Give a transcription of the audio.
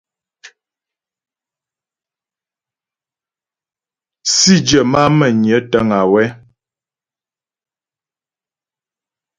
Sǐdyə má'a Mə́nyə təŋ wɛ́.